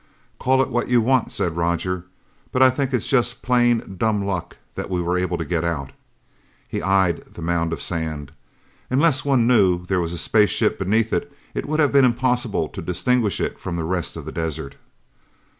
"Call it what you want," said Roger, "but I think it's just plain dumb luck that we were able to get out!" He eyed the mound of sand. Unless one knew there was a spaceship beneath it, it would have been impossible to distinguish it from the rest of the desert.